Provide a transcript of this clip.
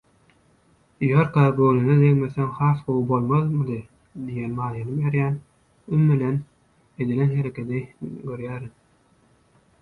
ýörkä göwnüne degmeseň has gowy bolmazmydy?» diýen manyny berýän, üm bilen edilen hereketi görýärin.